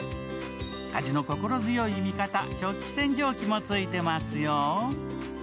家事の心強い味方、食器洗浄機もついてますよ。